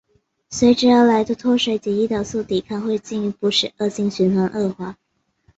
随之而来的脱水及胰岛素抵抗会进一步使恶性循环恶化。